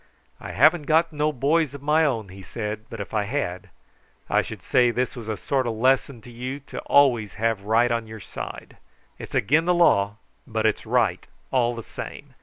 "I haven't got no boys of my own," he said, "but if I had, I should say this was a sort o' lesson to you to always have right on your side. It's again' the law, but it's right all the same.